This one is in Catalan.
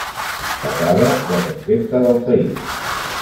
S'acaba la conquesta del país.